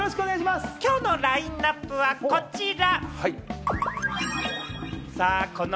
今日のラインナップはこちら。